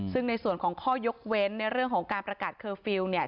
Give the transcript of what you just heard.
ซึ่งในส่วนของข้อยกเว้นในเรื่องของการประกาศเคอร์ฟิลล์เนี่ย